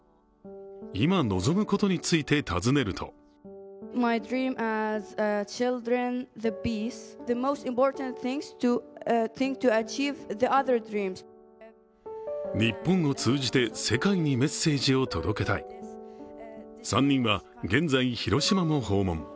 今、望むことについて尋ねると日本を通じて世界にメッセージを届けたい、３人は現在、広島も訪問。